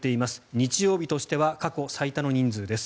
日曜日としては過去最多の人数です。